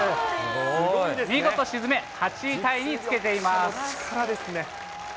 見事沈め、８位タイにつけています。